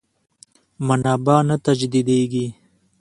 منابع نه تجدیدېږي.